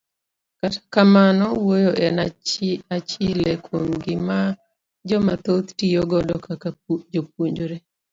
Kata kamano, wuoyo en achile kuom gima joma dhoth tiyo godo kaka jopuonjre.